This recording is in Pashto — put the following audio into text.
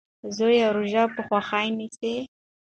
زوی یې روژه په خوښۍ نیسي.